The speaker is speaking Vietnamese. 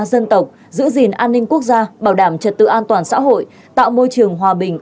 dân tộc giữ gìn an ninh quốc gia bảo đảm trật tự an toàn xã hội tạo môi trường hòa bình